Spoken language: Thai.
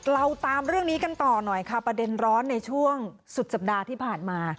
เราตามเรื่องนี้กันต่อหน่อยค่ะประเด็นร้อนในช่วงสุดสัปดาห์ที่ผ่านมา